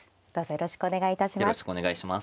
よろしくお願いします。